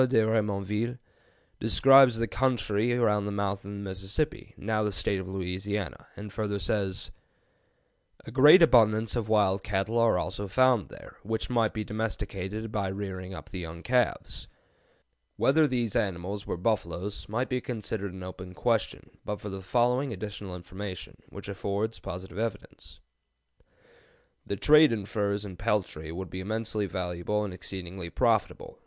de Remonville, describes the country around the mouth of the Mississippi, now the State of Louisiana, and further says: "A great abundance of wild cattle are also found there, which might be domesticated by rearing up the young calves." Whether these animals were buffaloes might be considered an open question but for the following additional information, which affords positive evidence: "The trade in furs and peltry would be immensely valuable and exceedingly profitable.